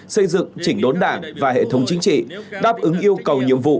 xây dựng chỉnh đốn đảng và hệ thống chính trị đáp ứng yêu cầu nhiệm vụ